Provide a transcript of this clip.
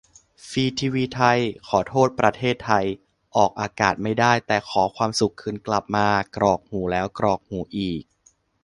ฟรีทีวีไทย :"ขอโทษประเทศไทย" ออกอากาศไม่ได้ แต่ "ขอความสุขคืนกลับมา" กรอกหูแล้วกรอกหูอีก